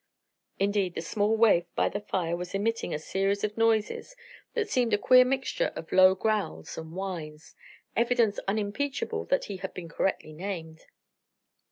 Indeed, the small waif by the fire was emitting a series of noises that seemed a queer mixture of low growls and whines evidence unimpeachable that he had been correctly named.